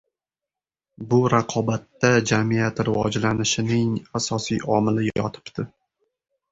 Bu raqobatda jamiyat rivojlanishining asosiy omili yotibdi.